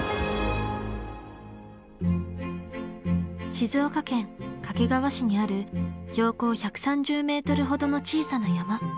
静岡県掛川市にある標高１３０ｍほどの小さな山。